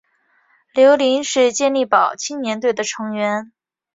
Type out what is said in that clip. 刘麟是健力宝青年队的成员。